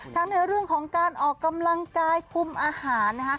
ในเรื่องของการออกกำลังกายคุมอาหาร